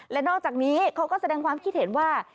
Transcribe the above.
และนอกจากนี้เขาก็แสดงความคิดเห็นว่า